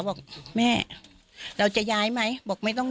ก็ถีบประตูปั้งปั้ง